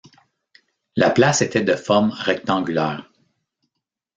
La place était de forme rectangulaire.